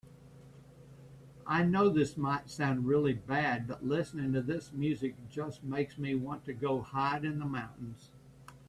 I know this might sound really bad, but listening to this music just makes me want to go hide in the mountains.